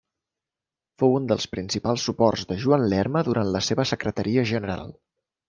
Fou un dels principals suports de Joan Lerma durant la seva secretaria general.